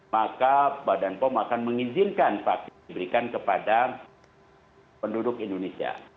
maka badan pom akan mengizinkan vaksin diberikan kepada penduduk indonesia